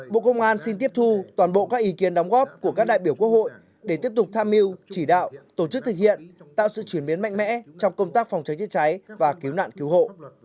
bộ công an xin tiếp thu toàn bộ các ý kiến đóng góp của các đại biểu quốc hội để tiếp tục tham mưu chỉ đạo tổ chức thực hiện tạo sự chuyển biến mạnh mẽ trong công tác phòng cháy chữa cháy và cứu nạn cứu hộ